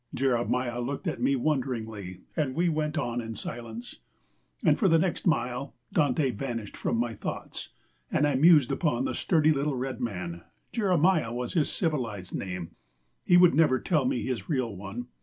Jeremiah looked at me wonderingly, and we went on in silence. And for the next mile Dante vanished from my thoughts and I mused upon the sturdy little red man. Jeremiah was his civilized name; he would never tell me his real one.